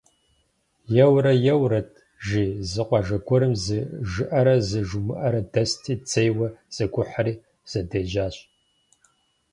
Еуэрэ-еуэрэт, жи, зы къуажэ гуэрым зы Жыӏэрэ зы Жумыӏэрэ дэсти, дзейуэ зэгухьэри, зэдежьащ.